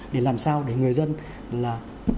để làm sao để người dân là